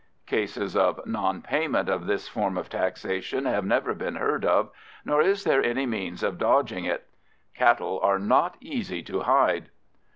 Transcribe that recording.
Cases of non payment of this form of taxation have never been heard of, nor is there any means of dodging it. Cattle are not easy to hide.